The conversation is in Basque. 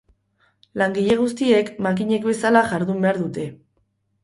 Langile guztiek makinek bezala jardun behar dute.